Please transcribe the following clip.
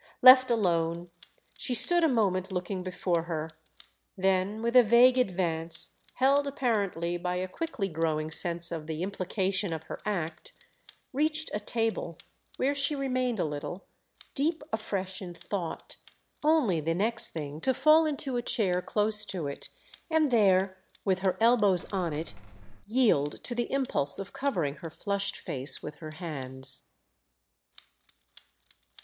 Left alone she stood a moment looking before her; then with a vague advance, held apparently by a quickly growing sense of the implication of her act, reached a table where she remained a little, deep afresh in thought—only the next thing to fall into a chair close to it and there, with her elbows on it, yield to the impulse of covering her flushed face with her hands.